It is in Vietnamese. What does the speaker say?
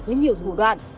với nhiều vụ đoạn